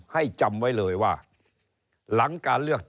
ให้จำไว้เลยว่า